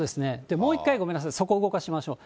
もう一回、ごめんなさい、そこ、動かしましょう。